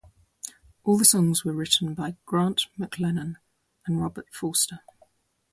All the songs were written by Grant McLennan and Robert Forster.